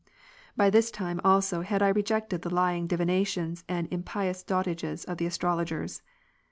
[VL] 8, By this time also had I rejected the lying divina tions and impious dotages of the astrologers.